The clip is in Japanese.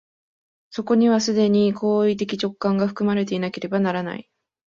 そこには既に行為的直観が含まれていなければならない。